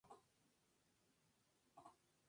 Al alcanzar el máximo de daño, el juego termina.